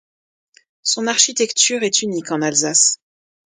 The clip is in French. Son architecture est unique en Alsace.